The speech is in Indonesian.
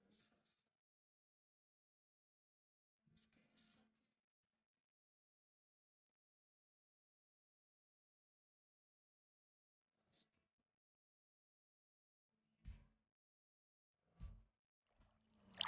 ibu selalu ada di sebelah kamu